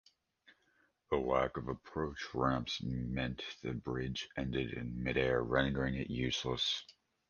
The lack of approach ramps meant the bridge ended in midair, rendering it useless.